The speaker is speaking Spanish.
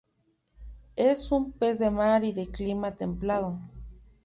Es un pez de mar y de clima templado.